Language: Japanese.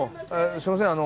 すいません